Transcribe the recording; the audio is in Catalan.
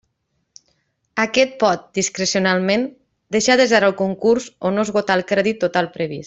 Aquest pot, discrecionalment, deixar desert el concurs o no esgotar el crèdit total previst.